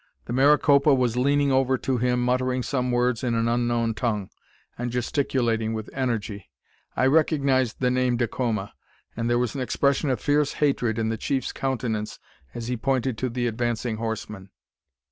The Maricopa was leaning over to him, muttering some words in an unknown tongue, and gesticulating with energy. I recognised the name "Dacoma," and there was an expression of fierce hatred in the chief's countenance as he pointed to the advancing horseman.